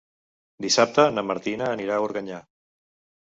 Dissabte na Martina anirà a Organyà.